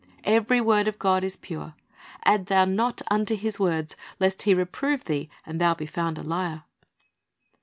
"Every word of God is pure. ... Add thou not unto His words, lest He reprove thee, and thou be found a har."